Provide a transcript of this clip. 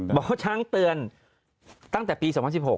บอกว่าช้างเตือนตั้งแต่ปี๒๐๑๖